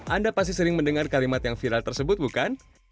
anda pasti sering mendengar kalimat yang viral tersebut bukan